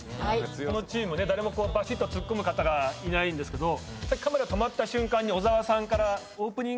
このチーム誰もばしっとツッコむ方がいないんですけどさっきカメラ止まった瞬間に小沢さんから「オープニングで」